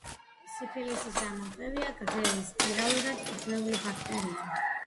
სიფილისის გამომწვევია გრძელი, სპირალურად დახვეული ბაქტერია.